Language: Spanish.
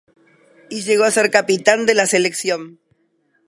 Y llegó a ser capitán de la selección.